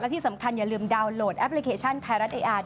ที่สำคัญอย่าลืมดาวน์โหลดแอปพลิเคชันไทยรัฐเออาร์